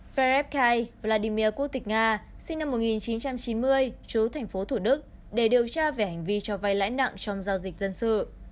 phép khai vladimir quốc tịch nga sinh năm một nghìn chín trăm chín mươi chú tp thủ đức để điều tra về hành vi cho vay lãi nặng trong giao dịch dân sự